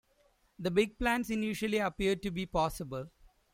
The big plans initially appeared to be possible.